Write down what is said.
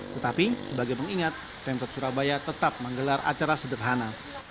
tetapi sebagai mengingat pemtab surabaya tetap menggelar acara sederhana